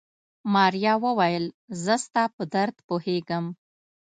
ماريا وويل زه ستا په درد پوهېږم.